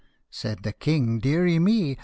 " Said the King, " Deary me !